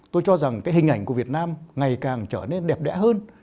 tôi cho rằng cái hình ảnh của việt nam ngày càng trở nên đẹp đẽ hơn